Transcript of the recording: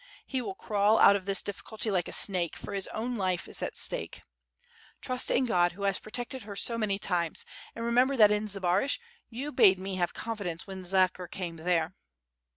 He will crawl out of this difficulty like a snake, for his own life is at stake. Trust in God, who has protected her so many times; and remember that in Zbaraj you bade me have confidence when Zakhar came there."